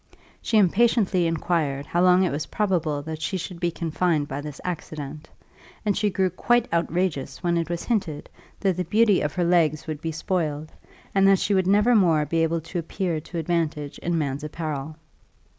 She impatiently inquired how long it was probable that she should be confined by this accident; and she grew quite outrageous when it was hinted, that the beauty of her legs would be spoiled, and that she would never more be able to appear to advantage in man's apparel.